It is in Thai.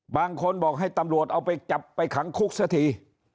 บางคนบอกให้ตำรวจเอาไปจับไปขังคุกเสียที